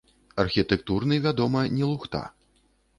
Архітэктурны, вядома, не лухта.